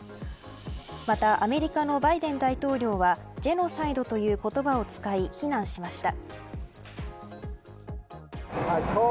またアメリカのバイデン大統領はジェノサイドという言葉を使い非難しました。